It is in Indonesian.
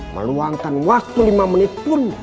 meluangkan waktu lima menit pun